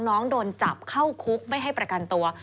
น้องโดนจับเข้าคุกไม่ให้ประกันตัว